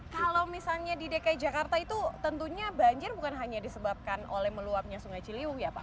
kalau misalnya di dki jakarta itu tentunya banjir bukan hanya disebabkan oleh meluapnya sungai ciliwung ya pak